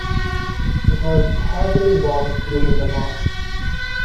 It was heavily bombed during the war.